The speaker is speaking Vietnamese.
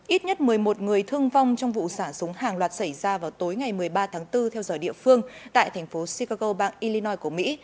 ít nhất một mươi một người thương vong trong vụ xả súng hàng loạt xảy ra vào tối ngày một mươi ba tháng bốn theo giờ địa phương tại thành phố chicago bang illinoi của mỹ